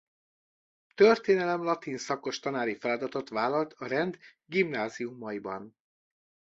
Történelem-latin szakos tanári feladatot vállalt a rend gimnáziumaiban.